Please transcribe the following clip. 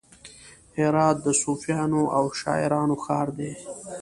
هرات د صوفیانو او شاعرانو ښار دی.